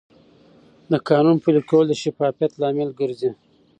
د قانون پلي کول د شفافیت لامل ګرځي.